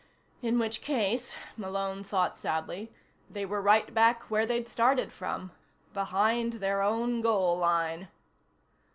In which case, Malone thought sadly, they were right back where they'd started from. Behind their own goal line.